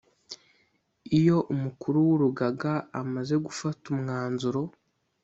Iyo umukuru w urugaga amaze gufata umwanzuro